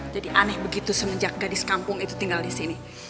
jadi aneh begitu semenjak gadis kampung itu tinggal disini